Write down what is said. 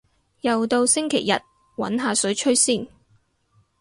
又到星期日，搵下水吹先